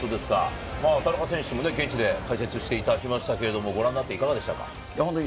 田中選手も現地で解説していただきましたが、いかがでしたか？